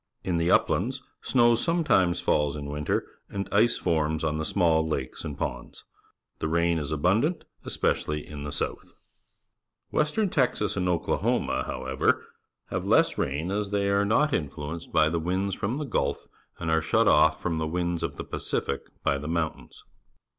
In the uplands snow sometimes falls in winter, and ice forms on the small lakes and ponds. The rainfall is abundant, especially in the south. Western Texas ancj Oklahom a, how ever,^aveieaaxain, as they are not influenced by the winds from the Gulf and are shut off from the winds of the Pacific by the mountains.